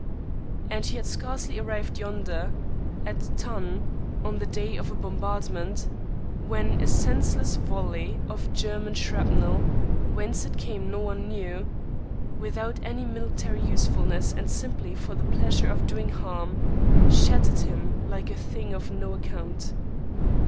And he had scarcely arrived yonder at Thann, on the day of a bombardment when a senseless volley of Germany shrapnel, whence it came none knew, without any military usefulness, and simply for the pleasure of doing harm, shattered him like a thing of no account.